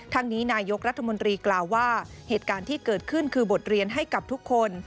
นี้นายกรัฐมนตรีกล่าวว่าเหตุการณ์ที่เกิดขึ้นคือบทเรียนให้กับทุกคน